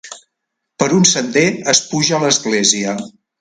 Per un sender es puja a l'església.